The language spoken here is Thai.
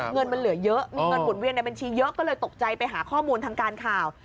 เงินมันเหลือเยอะมีเงินหมุนเวียนในบัญชีเยอะก็เลยตกใจไปหาข้อมูลทางการข่าว